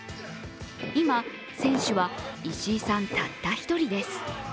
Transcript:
今、選手は石井さんたった一人です。